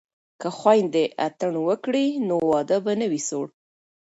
که خویندې اتڼ وکړي نو واده به نه وي سوړ.